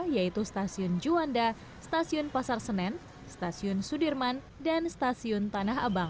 yaitu stasiun juanda stasiun pasar senen stasiun sudirman dan stasiun tanah abang